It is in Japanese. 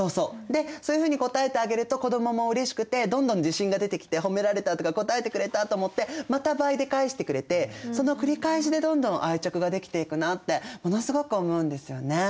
でそういうふうに応えてあげると子どももうれしくてどんどん自信が出てきて褒められたとか応えてくれたと思ってまた倍で返してくれてその繰り返しでどんどん愛着ができていくなってものすごく思うんですよね。